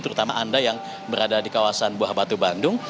terutama anda yang berada di kawasan buah batu bandung